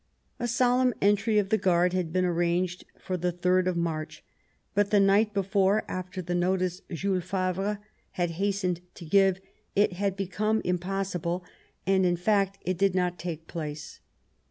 A solemn entry of the Guard had been arranged for the 3rd of March ; but the night before, after the notice Jules Favre had hastened to give, it had become impossible, and, in fact, it did not take place.